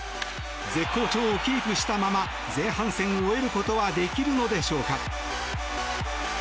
絶好調をキープしたまま前半戦を終えることはできるのでしょうか。